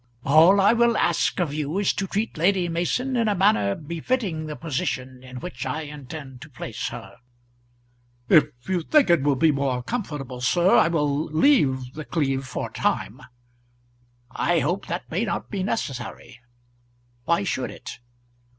All I will ask of you is to treat Lady Mason in a manner befitting the position in which I intend to place her." "If you think it will be more comfortable, sir, I will leave The Cleeve for a time." "I hope that may not be necessary Why should it?